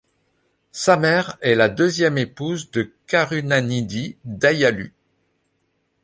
Sa mère est la deuxième épouse de Karunanidhi, Dayalu.